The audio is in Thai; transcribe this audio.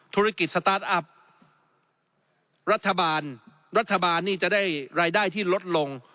ธุรกิจสตาร์ทอัพรัฐบาลรัฐบาลนี่จะได้รายได้ที่ลดลง